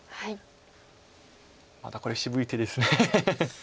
またこれ渋い手です。